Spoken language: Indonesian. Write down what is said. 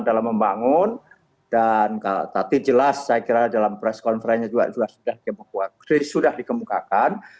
dalam membangun dan tadi jelas saya kira dalam press conference nya juga sudah dikemukakan